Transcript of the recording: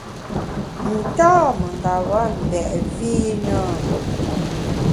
Nta mengeba mbèt vi i na?